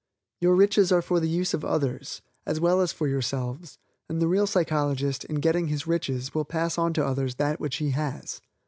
Your riches are for the use of others, as well as for yourselves, and the real psychologist, in getting his riches, will pass on to others that which he has.